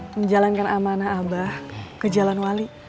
menjalankan amanah abah ke jalan wali